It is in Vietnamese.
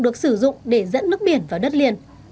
được sử dụng để dẫn nước biển vào đất liền